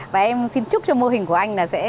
và em xin chúc cho mô hình của anh là sẽ